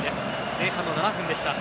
前半の７分でした。